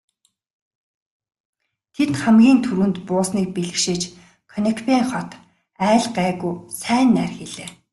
Тэд хамгийн түрүүнд буусныг бэлэгшээж Конекбайн хот айл гайгүй сайн найр хийлээ.